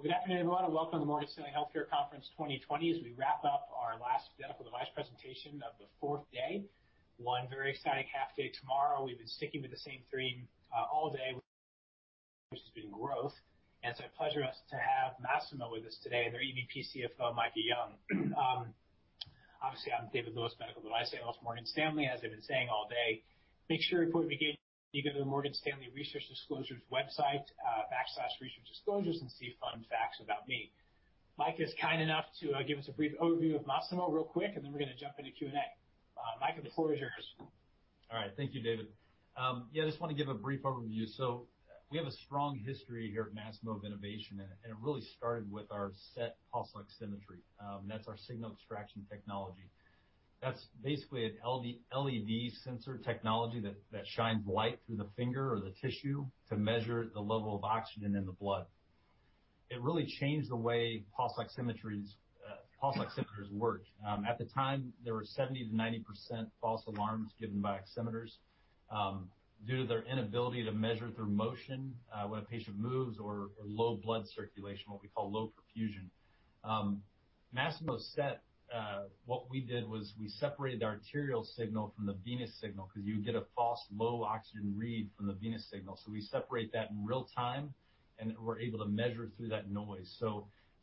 Good afternoon, everyone, and welcome to the Morgan Stanley Healthcare Conference 2020. As we wrap up our last medical device presentation of the fourth day, one very exciting half day tomorrow. We've been sticking with the same theme all day, which has been growth. It's a pleasure to have Masimo with us today and their EVP CFO, Micah Young. Obviously, I'm David Lewis, medical device analyst at Morgan Stanley, as I've been saying all day. Make sure you report what you gain when you go to the Morgan Stanley Research Disclosures website backslash Research Disclosures and see fun facts about me. Micah is kind enough to give us a brief overview of Masimo real quick, and then we're going to jump into Q&A. Micah, the floor is yours. All right. Thank you, David. Yeah, I just want to give a brief overview. So we have a strong history here at Masimo of innovation, and it really started with our SET Pulse Oximetry. That's our signal extraction technology. That's basically an LED sensor technology that shines light through the finger or the tissue to measure the level of oxygen in the blood. It really changed the way pulse oximeters worked. At the time, there were 70%-90% false alarms given by oximeters due to their inability to measure through motion when a patient moves or low blood circulation, what we call low perfusion. Masimo SET, what we did was we separated the arterial signal from the venous signal because you would get a false low oxygen read from the venous signal. So we separate that in real time, and we're able to measure through that noise.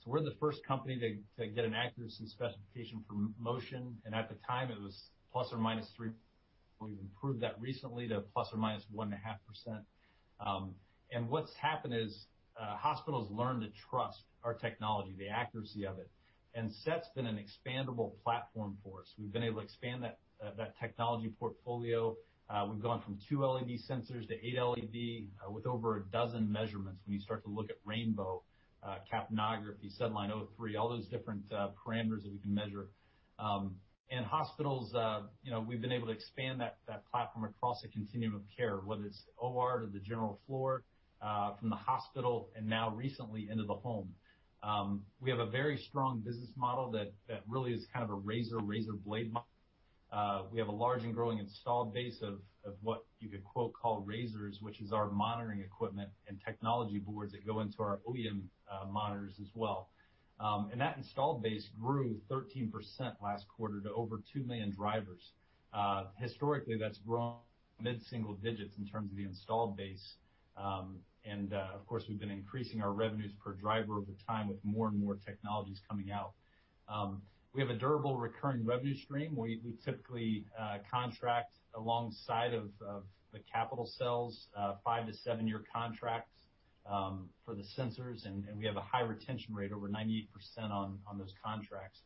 We're the first company to get an accuracy specification for motion. And at the time, it was plus or minus 3%. We've improved that recently to plus or minus 1.5%. And what's happened is hospitals learn to trust our technology, the accuracy of it. And SET's been an expandable platform for us. We've been able to expand that technology portfolio. We've gone from two LED sensors to eight LED with over a dozen measurements when you start to look at Rainbow, capnography, SedLine O3, all those different parameters that we can measure. And hospitals, we've been able to expand that platform across the continuum of care, whether it's OR to the general floor, from the hospital, and now recently into the home. We have a very strong business model that really is kind of a razor-razor blade model. We have a large and growing installed base of what you could quote call razors, which is our monitoring equipment and technology boards that go into our OEM monitors as well. And that installed base grew 13% last quarter to over two million drivers. Historically, that's grown mid-single digits in terms of the installed base. And of course, we've been increasing our revenues per driver over time with more and more technologies coming out. We have a durable recurring revenue stream. We typically contract alongside of the capital sales, five- to seven-year contracts for the sensors, and we have a high retention rate, over 98% on those contracts.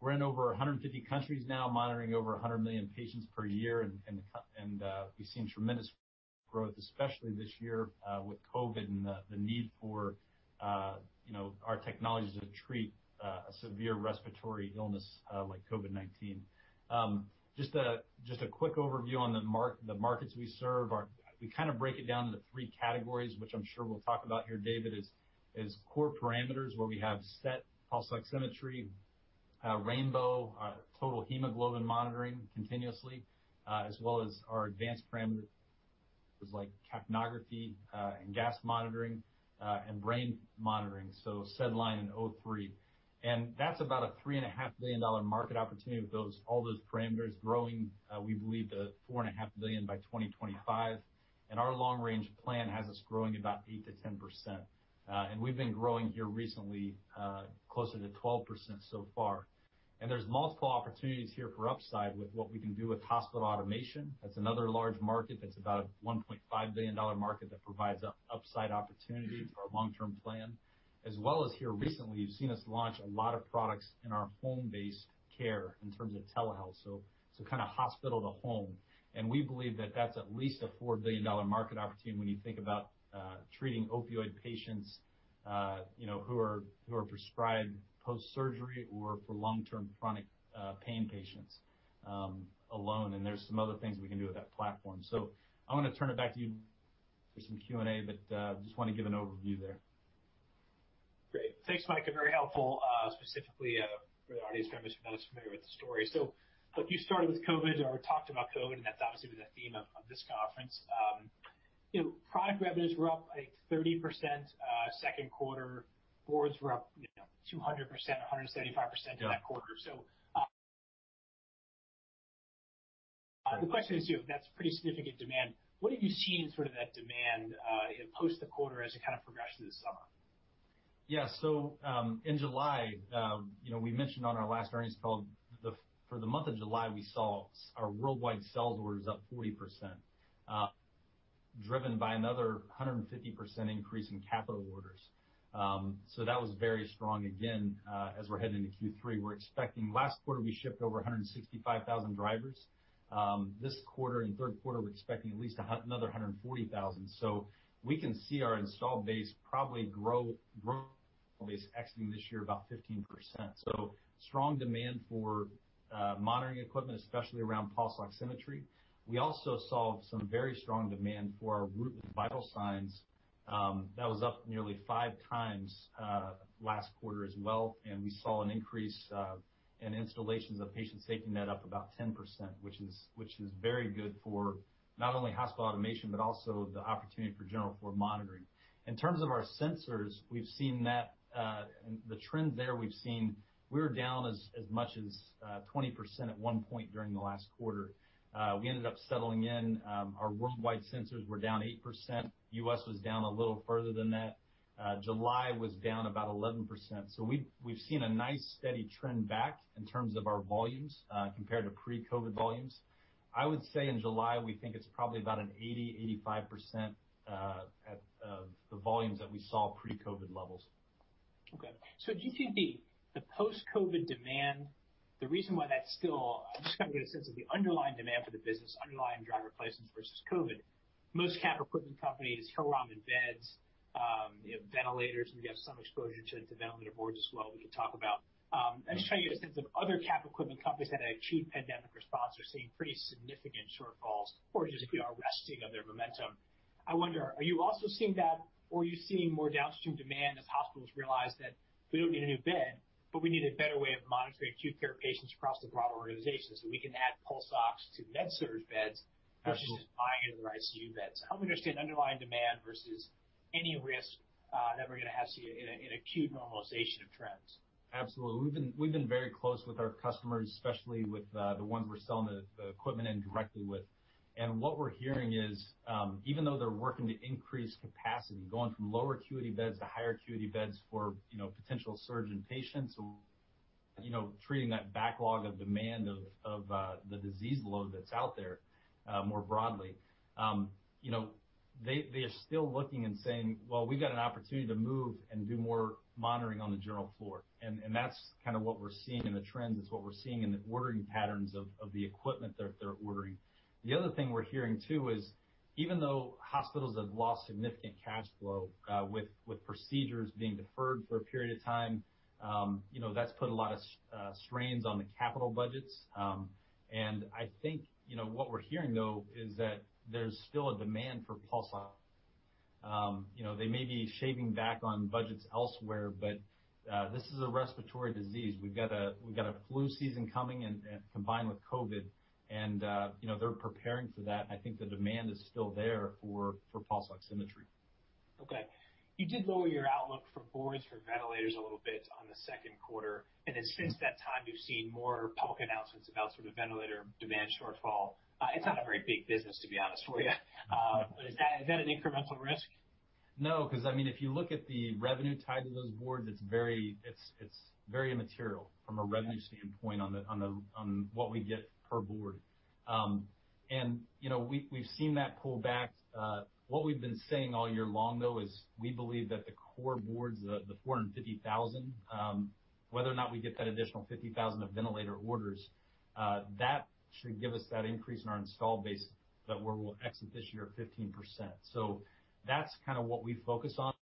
We're in over 150 countries now, monitoring over 100 million patients per year. And we've seen tremendous growth, especially this year with COVID and the need for our technologies to treat a severe respiratory illness like COVID-19. Just a quick overview on the markets we serve. We kind of break it down into three categories, which I'm sure we'll talk about here, David: core parameters where we have SET pulse oximetry, Rainbow, total hemoglobin monitoring continuously, as well as our advanced parameters like capnography and gas monitoring and brain monitoring, so SedLine and O3. That's about a $3.5 billion market opportunity with all those parameters growing. We believe to $4.5 billion by 2025, and our long-range plan has us growing about 8%-10%. We've been growing here recently closer to 12% so far, and there's multiple opportunities here for upside with what we can do with hospital automation. That's another large market. That's about a $1.5 billion market that provides upside opportunity for our long-term plan. As well as here recently, you've seen us launch a lot of products in our home-based care in terms of telehealth, so kind of hospital to home. And we believe that that's at least a $4 billion market opportunity when you think about treating opioid patients who are prescribed post-surgery or for long-term chronic pain patients alone. And there's some other things we can do with that platform. So I want to turn it back to you for some Q&A, but I just want to give an overview there. Great. Thanks, Mike. Very helpful, specifically for the audience members who are not as familiar with the story. So you started with COVID or talked about COVID, and that's obviously been the theme of this conference. Product revenues were up, I think, 30% second quarter. Boards were up 200%, 175% in that quarter. So the question is, that's pretty significant demand. What have you seen in sort of that demand post the quarter as it kind of progressed through the summer? Yeah. So in July, we mentioned on our last earnings call for the month of July, we saw our worldwide sales orders up 40%, driven by another 150% increase in capital orders. So that was very strong. Again, as we're heading into Q3, we're expecting last quarter, we shipped over 165,000 Drivers. This quarter and third quarter, we're expecting at least another 140,000. So we can see our installed base probably grow based exiting this year about 15%. So strong demand for monitoring equipment, especially around pulse oximetry. We also saw some very strong demand for our Root and vital signs. That was up nearly five times last quarter as well. And we saw an increase in installations of Patient SafetyNet up about 10%, which is very good for not only hospital automation, but also the opportunity for general floor monitoring. In terms of our sensors, we've seen that the trend there, we were down as much as 20% at one point during the last quarter. We ended up settling in. Our worldwide sensors were down 8%. US was down a little further than that. July was down about 11%. So we've seen a nice steady trend back in terms of our volumes compared to pre-COVID volumes. I would say in July, we think it's probably about an 80%-85% of the volumes that we saw pre-COVID levels. Okay. So do you think the post-COVID demand, the reason why that's still, I just kind of get a sense of the underlying demand for the business, underlying driver placements versus COVID, most cap equipment companies, Hillrom and BD's, ventilators, and we have some exposure to ventilator boards as well. We can talk about. I just try to get a sense of other cap equipment companies that had achieved pandemic response are seeing pretty significant shortfalls or just resting of their momentum. I wonder, are you also seeing that, or are you seeing more downstream demand as hospitals realize that we don't need a new bed, but we need a better way of monitoring acute care patients across the broader organization so we can add pulse ox to med-surg beds versus just buying into the ICU beds? Help me understand underlying demand versus any risk that we're going to have to see in acute normalization of trends. Absolutely. We've been very close with our customers, especially with the ones we're selling the equipment indirectly with. And what we're hearing is, even though they're working to increase capacity, going from lower acuity beds to higher acuity beds for potential surgeon patients, treating that backlog of demand of the disease load that's out there more broadly, they are still looking and saying, "Well, we've got an opportunity to move and do more monitoring on the general floor." And that's kind of what we're seeing in the trends. It's what we're seeing in the ordering patterns of the equipment that they're ordering. The other thing we're hearing too is, even though hospitals have lost significant cash flow with procedures being deferred for a period of time, that's put a lot of strains on the capital budgets. And I think what we're hearing, though, is that there's still a demand for pulse oximetry. They may be shaving back on budgets elsewhere, but this is a respiratory disease. We've got a flu season coming combined with COVID, and they're preparing for that. I think the demand is still there for pulse oximetry. Okay. You did lower your outlook for boards for ventilators a little bit on the second quarter. And then since that time, you've seen more public announcements about sort of ventilator demand shortfall. It's not a very big business, to be honest with you. But is that an incremental risk? No, because I mean, if you look at the revenue tied to those boards, it's very immaterial from a revenue standpoint on what we get per board, and we've seen that pull back. What we've been saying all year long, though, is we believe that the core boards, the 450,000, whether or not we get that additional 50,000 of ventilator orders, that should give us that increase in our installed base that we'll exit this year of 15%, so that's kind of what we focus on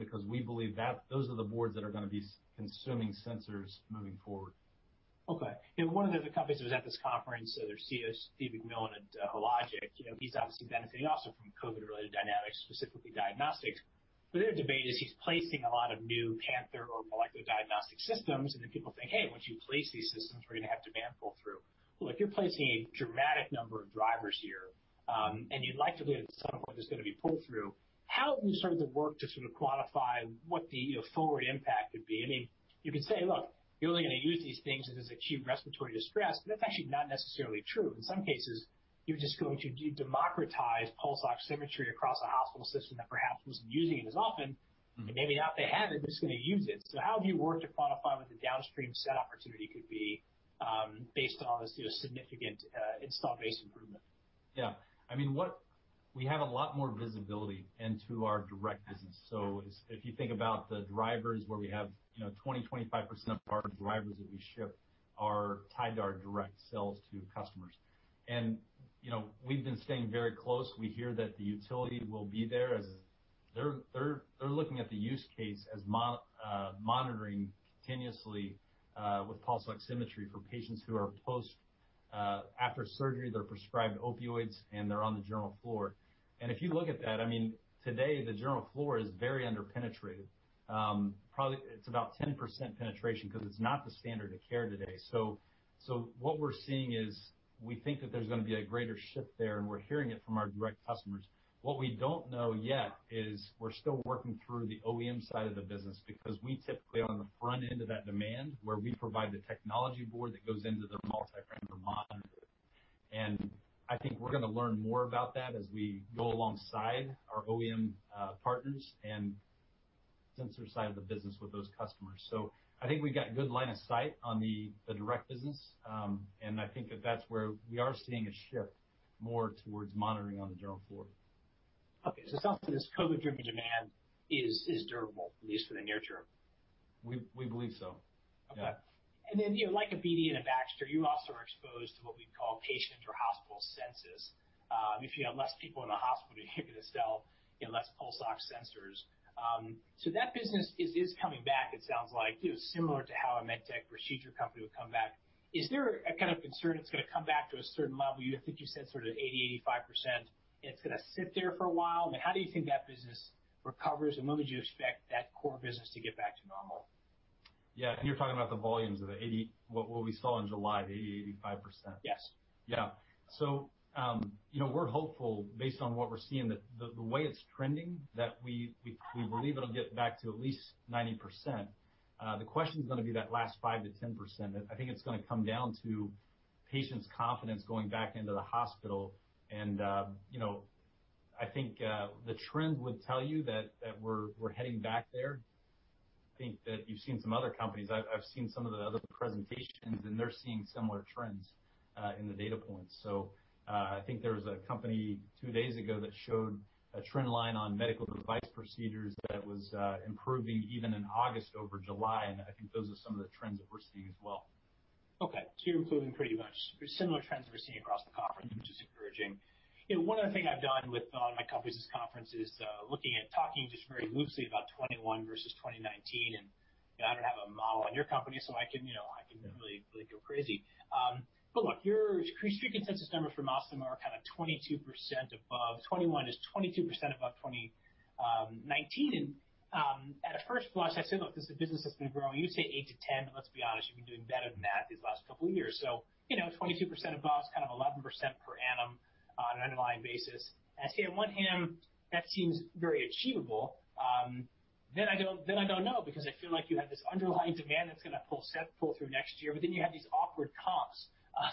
because we believe those are the boards that are going to be consuming sensors moving forward. Okay. And one of the companies who was at this conference, so there's Steve MacMillan at Hologic. He's obviously benefiting also from COVID-related dynamics, specifically diagnostics. But their debate is he's placing a lot of new Panther or Molecular Diagnostic Systems, and then people think, "Hey, once you place these systems, we're going to have demand pull through." Well, if you're placing a dramatic number of drivers here and you'd like to believe at some point there's going to be pull through, how have you started to work to sort of quantify what the forward impact would be? I mean, you can say, "Look, you're only going to use these things if there's acute respiratory distress," but that's actually not necessarily true. In some cases, you're just going to democratize pulse oximetry across a hospital system that perhaps wasn't using it as often, and maybe now they have it, they're just going to use it. So how have you worked to quantify what the downstream SET opportunity could be based on this significant installed base improvement? Yeah. I mean, we have a lot more visibility into our direct business. So if you think about the drivers, where we have 20%-25% of our drivers that we ship are tied to our direct sales to customers. And we've been staying very close. We hear that the utility will be there. They're looking at the use case as monitoring continuously with pulse oximetry for patients who are post after surgery, they're prescribed opioids, and they're on the general floor. And if you look at that, I mean, today, the general floor is very underpenetrated. It's about 10% penetration because it's not the standard of care today. So what we're seeing is we think that there's going to be a greater shift there, and we're hearing it from our direct customers. What we don't know yet is we're still working through the OEM side of the business because we typically are on the front end of that demand where we provide the technology board that goes into the multi-parameter monitor, and I think we're going to learn more about that as we go alongside our OEM partners and sensor side of the business with those customers, so I think we've got a good line of sight on the direct business, and I think that that's where we are seeing a shift more towards monitoring on the general floor. Okay, so it sounds like this COVID-driven demand is durable, at least for the near term. We believe so. Okay. And then like a BD and a Baxter, you also are exposed to what we'd call patient or hospital census. If you have less people in the hospital, you're going to sell less pulse ox sensors. So that business is coming back, it sounds like, similar to how a med-tech procedure company would come back. Is there a kind of concern it's going to come back to a certain level? I think you said sort of 80%-85%, and it's going to sit there for a while. I mean, how do you think that business recovers, and when would you expect that core business to get back to normal? Yeah, and you're talking about the volumes of the 80%, what we saw in July, the 80%-85%. Yes. Yeah, so we're hopeful based on what we're seeing, the way it's trending, that we believe it'll get back to at least 90%. The question is going to be that last 5% to 10%. I think it's going to come down to patients' confidence going back into the hospital, and I think the trend would tell you that we're heading back there. I think that you've seen some other companies. I've seen some of the other presentations, and they're seeing similar trends in the data points, so I think there was a company two days ago that showed a trend line on medical device procedures that was improving even in August over July, and I think those are some of the trends that we're seeing as well. Okay. So you're including pretty much similar trends we're seeing across the conference, which is encouraging. One other thing I've done with one of my companies' conferences is looking at talking just very loosely about '21 versus 2019. I don't have a model on your company, so I can really go crazy. But look, your striking census numbers from Masimo are kind of 22% above '21, which is 22% above 2019. And at a first blush, I said, "Look, this is a business that's been growing." You say 8%-10%, but let's be honest, you've been doing better than that these last couple of years. So 22% above, kind of 11% per annum on an underlying basis. I say, on one hand, that seems very achievable. Then I don't know because I feel like you have this underlying demand that's going to pull through next year, but then you have these awkward comps.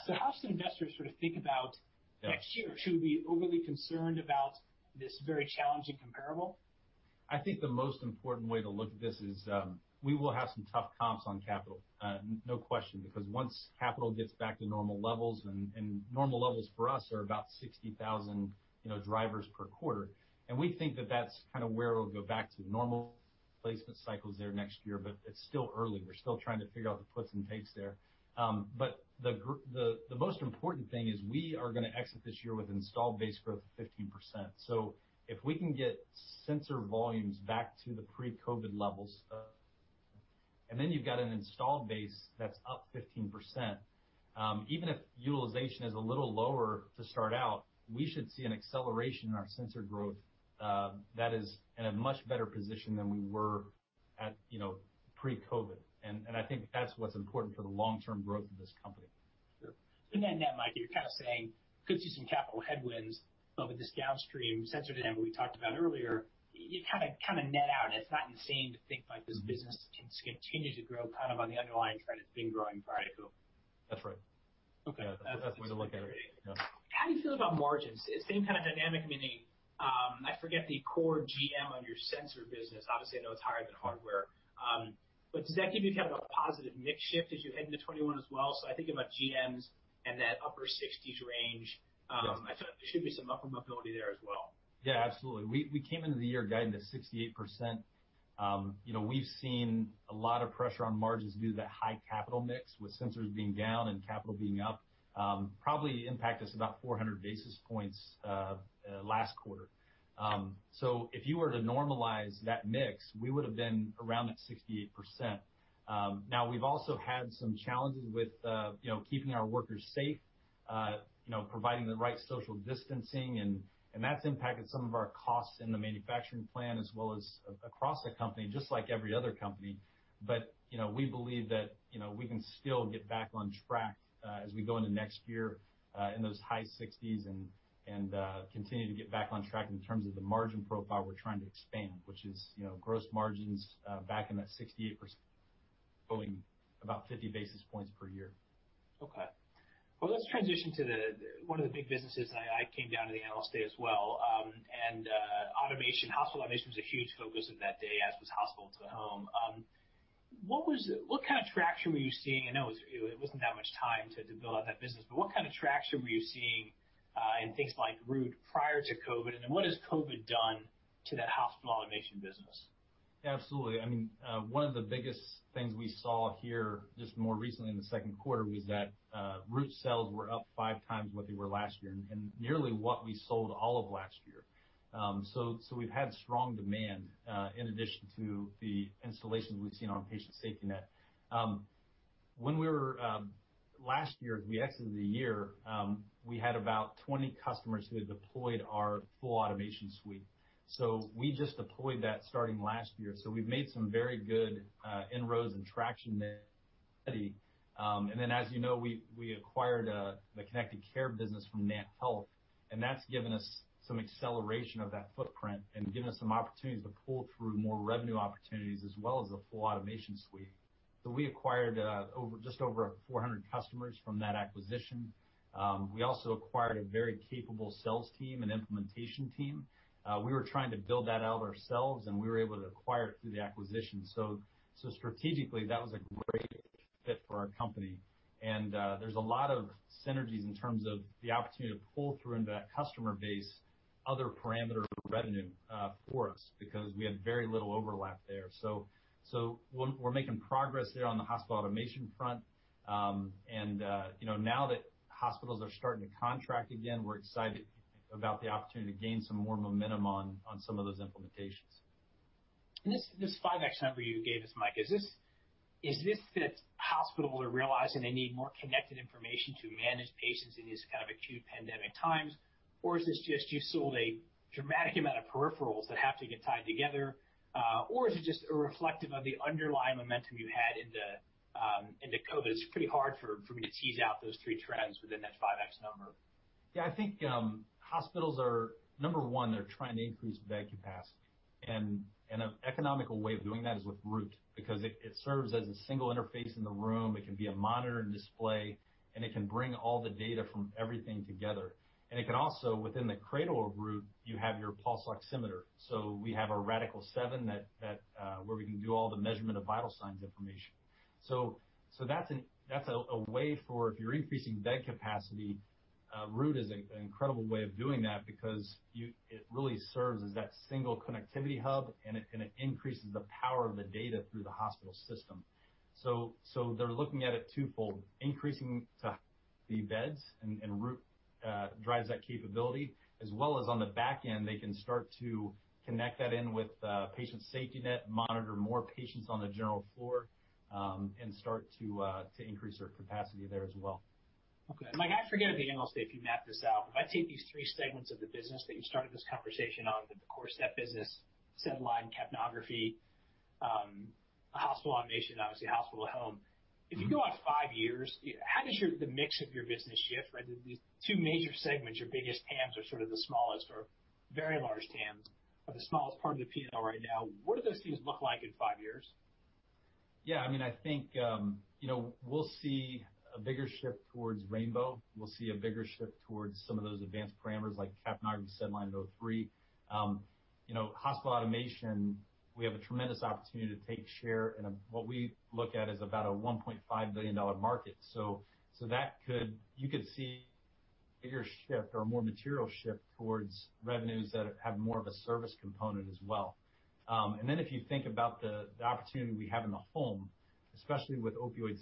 So how should investors sort of think about next year? Should we be overly concerned about this very challenging comparable? I think the most important way to look at this is we will have some tough comps on capital, no question, because once capital gets back to normal levels, and normal levels for us are about 60,000 drivers per quarter. And we think that that's kind of where it'll go back to normal placement cycles there next year, but it's still early. We're still trying to figure out the puts and takes there. But the most important thing is we are going to exit this year with installed base growth of 15%. So if we can get sensor volumes back to the pre-COVID levels, and then you've got an installed base that's up 15%, even if utilization is a little lower to start out, we should see an acceleration in our sensor growth that is in a much better position than we were at pre-COVID. I think that's what's important for the long-term growth of this company. And then, Mike, you're kind of saying you could see some capital headwinds, but with this downstream sensor demand we talked about earlier, you kind of net out. It's not insane to think this business can continue to grow kind of on the underlying trend it's been growing prior to COVID. That's right. Yeah, that's the way to look at it. How do you feel about margins? Same kind of dynamic. I mean, I forget the core GM on your sensor business. Obviously, I know it's higher than hardware. But does that give you kind of a positive mix shift as you head into 2021 as well? So I think about GMs and that upper 60s range. I thought there should be some upper mobility there as well. Yeah, absolutely. We came into the year guided to 68%. We've seen a lot of pressure on margins due to that high capital mix with sensors being down and capital being up, probably impact us about 400 basis points last quarter. So if you were to normalize that mix, we would have been around that 68%. Now, we've also had some challenges with keeping our workers safe, providing the right social distancing, and that's impacted some of our costs in the manufacturing plant as well as across the company, just like every other company. But we believe that we can still get back on track as we go into next year in those high 60s and continue to get back on track in terms of the margin profile we're trying to expand, which is gross margins back in that 68%, going about 50 basis points per year. Okay. Well, let's transition to one of the big businesses. I came down to the analyst day as well, and hospital automation was a huge focus of that day, as was hospital to home. What kind of traction were you seeing? I know it wasn't that much time to build out that business, but what kind of traction were you seeing in things like Root prior to COVID? And then what has COVID done to that hospital automation business? Absolutely. I mean, one of the biggest things we saw here just more recently in the second quarter was that Root sales were up five times what they were last year and nearly what we sold all of last year. So we've had strong demand in addition to the installations we've seen on Patient SafetyNet. Last year, as we exited the year, we had about 20 customers who had deployed our full automation suite. So we just deployed that starting last year. So we've made some very good inroads and traction there. And then, as you know, we acquired the Connected Care business from NantHealth, and that's given us some acceleration of that footprint and given us some opportunities to pull through more revenue opportunities as well as the full automation suite. So we acquired just over 400 customers from that acquisition. We also acquired a very capable sales team and implementation team. We were trying to build that out ourselves, and we were able to acquire it through the acquisition. So strategically, that was a great fit for our company. And there's a lot of synergies in terms of the opportunity to pull through into that customer base, other parameter revenue for us because we had very little overlap there. So we're making progress there on the hospital automation front. And now that hospitals are starting to contract again, we're excited about the opportunity to gain some more momentum on some of those implementations. And this 5x number you gave us, Mike, is this that hospitals are realizing they need more connected information to manage patients in these kind of acute pandemic times, or is this just you sold a dramatic amount of peripherals that have to get tied together, or is it just a reflection of the underlying momentum you had into COVID? It's pretty hard for me to tease out those three trends within that 5x number. Yeah, I think hospitals, number one, they're trying to increase bed capacity, and an economical way of doing that is with Root because it serves as a single interface in the room. It can be a monitor and display, and it can bring all the data from everything together, and it can also, within the cradle of Root, you have your pulse oximeter, so we have a Radical-7 where we can do all the measurement of vital signs information, so that's a way for if you're increasing bed capacity, Root is an incredible way of doing that because it really serves as that single connectivity hub, and it increases the power of the data through the hospital system, so they're looking at it twofold. Increasing to be beds, and Root drives that capability, as well as on the back end, they can start to connect that in with Patient SafetyNet, monitor more patients on the general floor, and start to increase their capacity there as well. Okay. Mike, I forget at the analyst day if you map this out. If I take these three segments of the business that you started this conversation on, the core SET business, SedLine, capnography, hospital automation, obviously hospital to home. If you go out five years, how does the mix of your business shift? These two major segments, your biggest TAMs are sort of the smallest or very large TAMs are the smallest part of the P&L right now. What do those things look like in five years? Yeah. I mean, I think we'll see a bigger shift towards Rainbow. We'll see a bigger shift towards some of those advanced parameters like capnography, SedLine, O3. Hospital automation, we have a tremendous opportunity to take share in what we look at as about a $1.5 billion market. So you could see a bigger shift or a more material shift towards revenues that have more of a service component as well. And then if you think about the opportunity we have in the home, especially with Opioid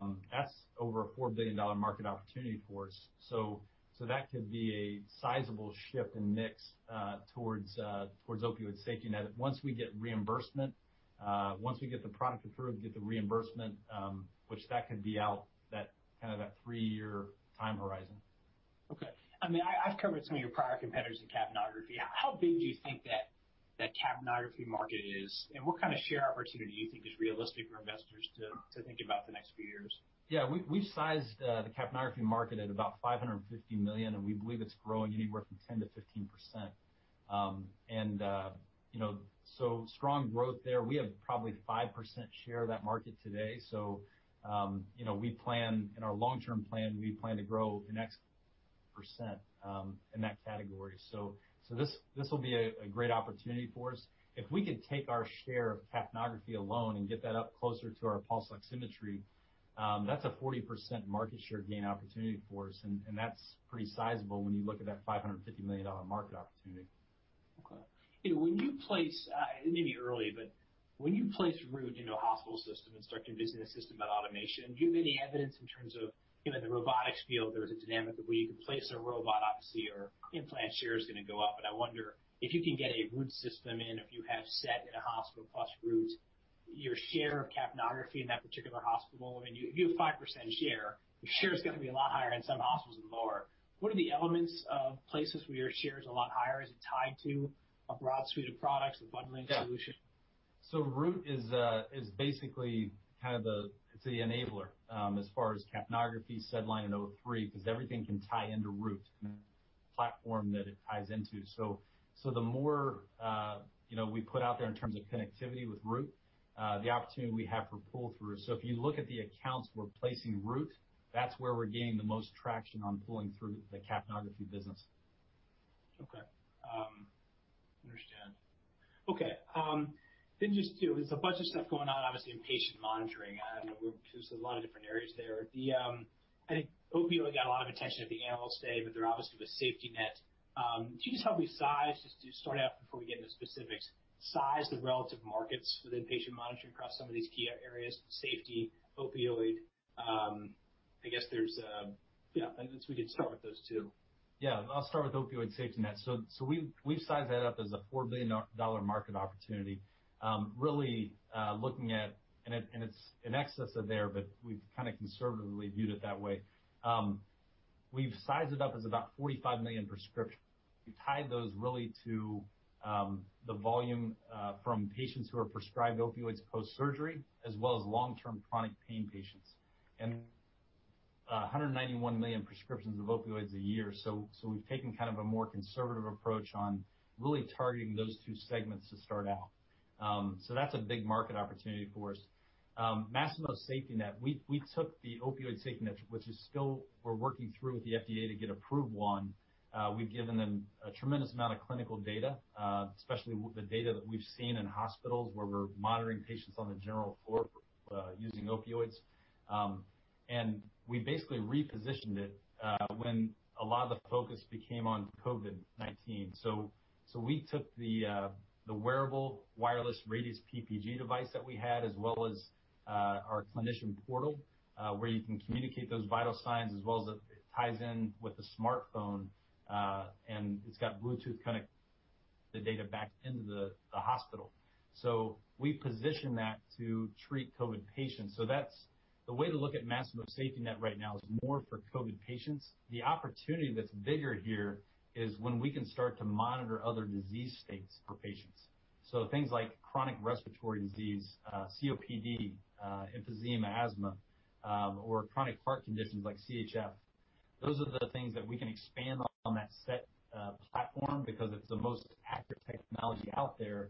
SafetyNet, that's over a $4 billion market opportunity for us. So that could be a sizable shift in mix towards Opioid SafetyNet. Once we get reimbursement, once we get the product approved, get the reimbursement, which that could be out that kind of that three-year time horizon. Okay. I mean, I've covered some of your prior competitors in capnography. How big do you think that capnography market is, and what kind of share opportunity do you think is realistic for investors to think about the next few years? Yeah. We've sized the capnography market at about $550 million, and we believe it's growing anywhere from 10%-15%, and so strong growth there. We have probably 5% share of that market today, so in our long-term plan, we plan to grow the next percent in that category, so this will be a great opportunity for us. If we could take our share of capnography alone and get that up closer to our pulse oximetry, that's a 40% market share gain opportunity for us, and that's pretty sizable when you look at that $550 million market opportunity. Okay. When you place, maybe early, but when you place Root into a hospital system and start to envision a system about automation, do you have any evidence in terms of in the robotics field, there was a dynamic where you could place a robot, obviously, or implant share is going to go up. But I wonder if you can get a Root system in, if you have SET in a hospital plus Root, your share of capnography in that particular hospital, I mean, if you have 5% share, your share is going to be a lot higher in some hospitals and lower. What are the elements of places where your share is a lot higher? Is it tied to a broad suite of products, a bundling solution? Yeah. So Root is basically kind of the, it's the enabler as far as capnography, SedLine, and O3 because everything can tie into Root, the platform that it ties into. So the more we put out there in terms of connectivity with Root, the opportunity we have for pull-through. So if you look at the accounts we're placing Root, that's where we're gaining the most traction on pulling through the capnography business. Okay, understood. Okay. Then just two, there's a bunch of stuff going on, obviously, in patient monitoring. I don't know. There's a lot of different areas there. I think opioid got a lot of attention at the analyst day, but there obviously was safety net. Can you just help me size, just to start out before we get into specifics, size the relative markets within patient monitoring across some of these key areas: safety, opioid? I guess we could start with those two. Yeah. I'll start with Opioid SafetyNet. So we've sized that up as a $4 billion market opportunity. Really looking at, and it's in excess of there, but we've kind of conservatively viewed it that way. We've sized it up as about 45 million prescriptions. We've tied those really to the volume from patients who are prescribed opioids post-surgery as well as long-term chronic pain patients. And 191 million prescriptions of opioids a year. So we've taken kind of a more conservative approach on really targeting those two segments to start out. So that's a big market opportunity for us. Masimo's SafetyNet, we took the Opioid SafetyNet, which is still we're working through with the FDA to get approved one. We've given them a tremendous amount of clinical data, especially the data that we've seen in hospitals where we're monitoring patients on the general floor using opioids. And we basically repositioned it when a lot of the focus became on COVID-19. So we took the wearable wireless Radius PPG device that we had as well as our clinician portal where you can communicate those vital signs as well as it ties in with a smartphone, and it's got Bluetooth connectivity to get the data back into the hospital. So we positioned that to treat COVID patients. So the way to look at Masimo's SafetyNet right now is more for COVID patients. The opportunity that's bigger here is when we can start to monitor other disease states for patients. So things like chronic respiratory disease, COPD, emphysema, asthma, or chronic heart conditions like CHF. Those are the things that we can expand on that SET platform because it's the most accurate technology out there.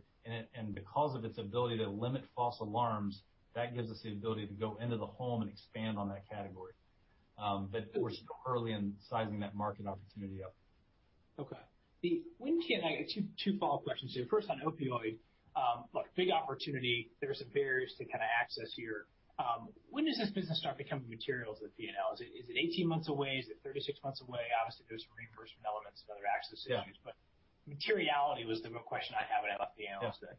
And because of its ability to limit false alarms, that gives us the ability to go into the home and expand on that category. But we're still early in sizing that market opportunity up. Okay. I have two follow-up questions here. First, on opioid, look, big opportunity. There's some barriers to kind of access here. When does this business start becoming material at the P&L? Is it 18 months away? Is it 36 months away? Obviously, there's reimbursement elements and other access issues. But materiality was the question I have about the analyst day.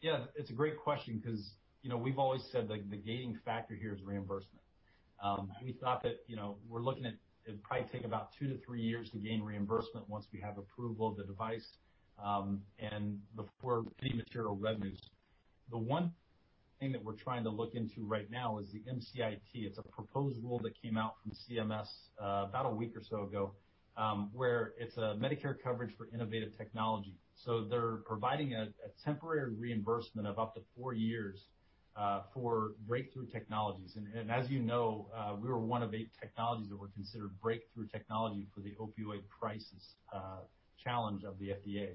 Yeah. It's a great question because we've always said the gating factor here is reimbursement. We thought that we're looking at it would probably take about two-to-three years to gain reimbursement once we have approval of the device and before any material revenues. The one thing that we're trying to look into right now is the MCIT. It's a proposed rule that came out from CMS about a week or so ago where it's a Medicare coverage for innovative technology, so they're providing a temporary reimbursement of up to four years for breakthrough technologies, and as you know, we were one of eight technologies that were considered breakthrough technology for the opioid crisis challenge of the FDA,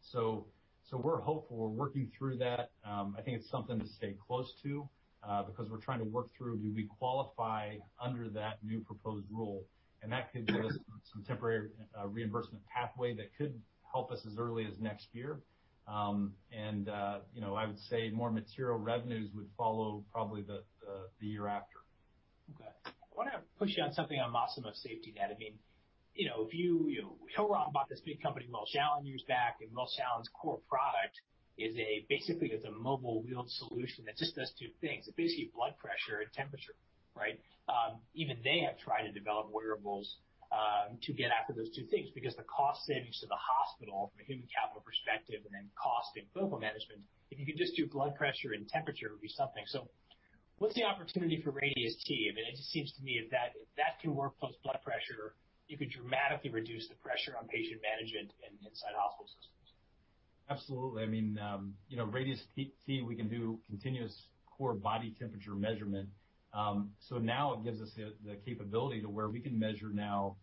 so we're hopeful. We're working through that. I think it's something to stay close to because we're trying to work through, do we qualify under that new proposed rule? That could give us some temporary reimbursement pathway that could help us as early as next year. I would say more material revenues would follow probably the year after. Okay. I want to push you on something on Masimo's SafetyNet. I mean, if you Hillrom bought this big company Welch Allyn years back, and Welch Allyn's core product is basically a mobile wheeled solution that just does two things. It's basically blood pressure and temperature, right? Even they have tried to develop wearables to get after those two things because the cost savings to the hospital from a human capital perspective and then cost and workflow management, if you can just do blood pressure and temperature, it would be something. So what's the opportunity for Radius T? I mean, it just seems to me if that can work post-blood pressure, you could dramatically reduce the pressure on patient management and inside hospital systems. Absolutely. I mean, Radius T, we can do continuous core body temperature measurement. So now it gives us the capability to where we can measure now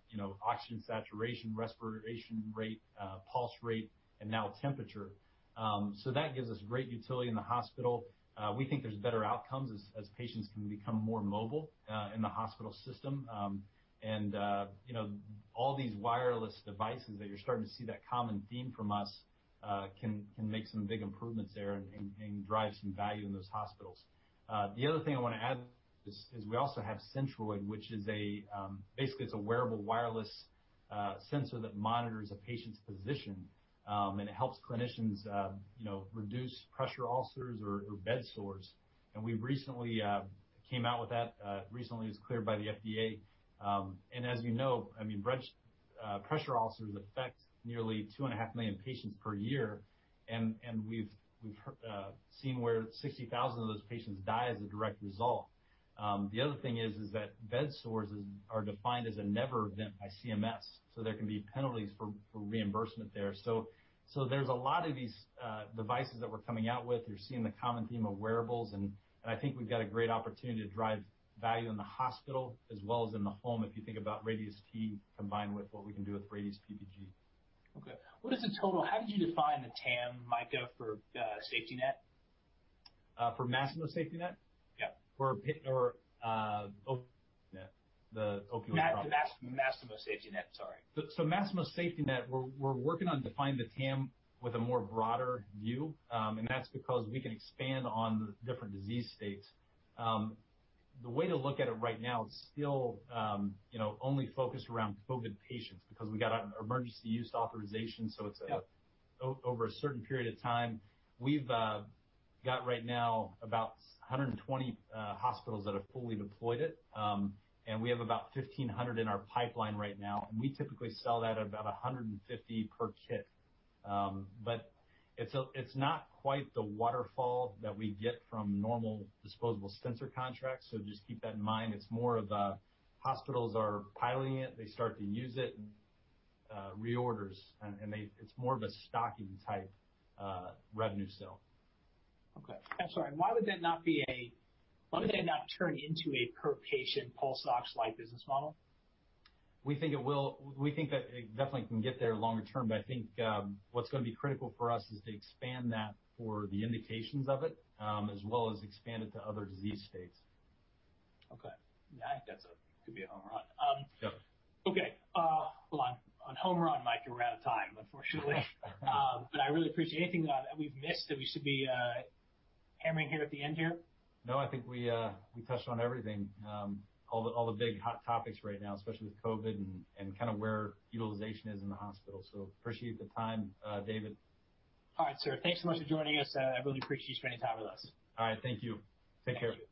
oxygen saturation, respiration rate, pulse rate, and now temperature. So that gives us great utility in the hospital. We think there's better outcomes as patients can become more mobile in the hospital system. And all these wireless devices that you're starting to see that common theme from us can make some big improvements there and drive some value in those hospitals. The other thing I want to add is we also have Centroid, which is basically a wearable wireless sensor that monitors a patient's position, and it helps clinicians reduce pressure ulcers or bed sores. And we recently came out with that. Recently, it was cleared by the FDA. As you know, I mean, pressure ulcers affect nearly 2.5 million patients per year, and we've seen where 60,000 of those patients die as a direct result. The other thing is that bed sores are defined as a never event by CMS. So there can be penalties for reimbursement there. So there's a lot of these devices that we're coming out with. You're seeing the common theme of wearables, and I think we've got a great opportunity to drive value in the hospital as well as in the home if you think about Radius T combined with what we can do with Radius PPG. Okay. What is the total? How did you define the TAM, Micah, for safety net? For Masimo's SafetyNet? Yeah. Or the opioid product? Masimo's SafetyNet, sorry. Masimo SafetyNet, we're working on defining the TAM with a more broader view, and that's because we can expand on the different disease states. The way to look at it right now, it's still only focused around COVID patients because we got emergency use authorization. It's over a certain period of time. We've got right now about 120 hospitals that have fully deployed it, and we have about 1,500 in our pipeline right now. And we typically sell that at about $150 per kit. But it's not quite the waterfall that we get from normal disposable sensor contracts. Just keep that in mind. It's more of hospitals are piloting it. They start to use it and reorders. And it's more of a stocking-type revenue sale. Why would that not turn into a per-patient pulse ox-like business model? We think it will. We think that it definitely can get there longer term, but I think what's going to be critical for us is to expand that for the indications of it as well as expand it to other disease states. Okay. Yeah. I think that could be a home run. Okay. Hold on. One more, Micah, we're out of time, unfortunately. But I really appreciate anything that we've missed that we should be hammering here at the end here? No, I think we touched on everything. All the big hot topics right now, especially with COVID and kind of where utilization is in the hospital. So appreciate the time, David. All right, sir. Thanks so much for joining us. I really appreciate you spending time with us. All right. Thank you. Take care. Thank you. Bye.